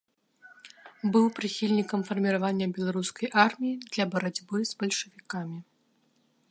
Быў прыхільнікам фарміравання беларускай арміі для барацьбы з бальшавікамі.